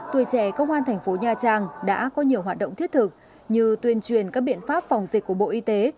tuổi trẻ công an thành phố nha trang đã có nhiều hoạt động thiết thực như tuyên truyền các biện pháp phòng dịch của bộ y tế